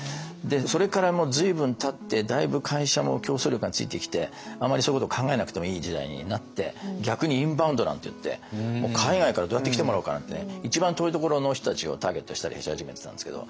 それからもう随分たってだいぶ会社も競争力がついてきてあまりそういうことを考えなくてもいい時代になって逆にインバウンドなんていって海外からどうやって来てもらおうかなんてね。一番遠いところの人たちをターゲットにしたりし始めてたんですけど。